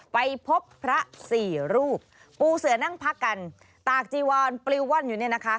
ไปพบพระสี่รูปปูเสือนั่งพักกันตากจีวอนปลิวว่อนอยู่เนี่ยนะคะ